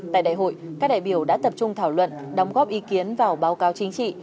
tại đại hội các đại biểu đã tập trung thảo luận đóng góp ý kiến vào báo cáo chính trị